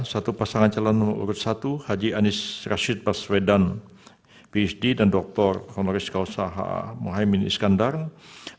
satu pasangan calon nomor urut satu haji anies rashid baswedan phd dan doktor honoris causa h a mohaimin iskandar rp empat puluh sembilan ratus tujuh puluh satu sembilan ratus enam